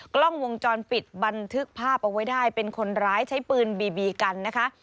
กล้องวงจรปิดบันทึกภาพเอาไว้ได้เป็นคนร้ายใช้ปืนบีบีกันนะคะ